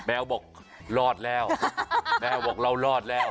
แมวบอกรอดแล้วแมวบอกเรารอดแล้ว